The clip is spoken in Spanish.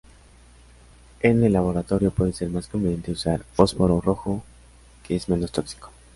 En el laboratorio, puede ser más conveniente usar fósforo rojo, que es menos tóxico.